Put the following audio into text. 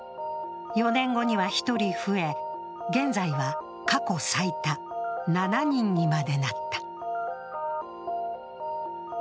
４年後には１人増え、現在は過去最多、７人にまでなった。